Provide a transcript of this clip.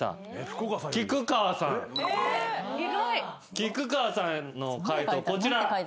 菊川さんの解答こちら。